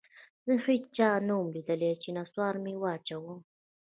زه هېچا نه وم ليدلى چې نسوار مې واچاوه.